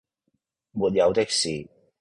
「沒有的事……」